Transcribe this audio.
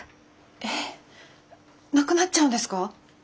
えなくなっちゃうんですか？